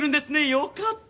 よかった。